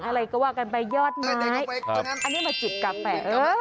อะไรก็ว่ากันไปยอดไม้อันนี้มาจิบกาแฟ